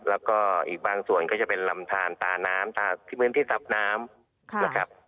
แล้วก็อีกบางส่วนก็จะเป็นลำทานตาน้ำตาพื้นที่ตับน้ำนะครับ